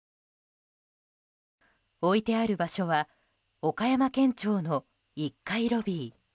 置いてある場所は岡山県庁の１階ロビー。